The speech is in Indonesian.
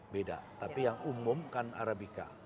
beda tapi yang umum kan arabica